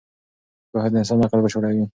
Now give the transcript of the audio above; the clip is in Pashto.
پوهه د انسان عقل بشپړوي.